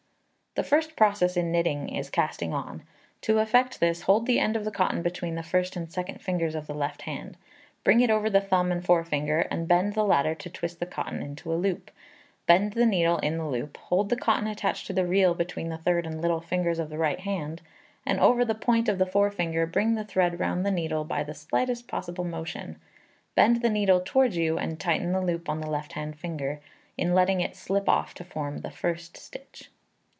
The first process in knitting is casting on. To effect this, hold the end of cotton between the first and second fingers of the left hand; bring it over the thumb and forefinger, and bend the latter to twist the cotton into a loop; bend the needle in the loop; hold the cotton attached to the reel between the third and little fingers of the right hand, and over the point of the forefinger; bring the thread round the needle by the slightest possible motion; bend the needle towards you, and tighten the loop on the left hand finger, in letting it slip off to form the first stitch.